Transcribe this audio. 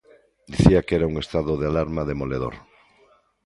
Dicía que era un estado de alarma demoledor.